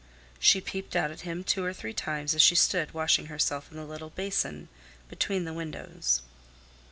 She peeped out at him two or three times as she stood washing herself in the little basin between the windows.